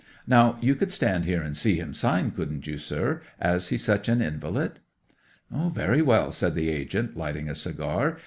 Now you could stand here and see him sign, couldn't you, sir, as he's such an invalid?" '"Very well," said the agent, lighting a cigar.